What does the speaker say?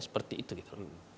seperti itu gitu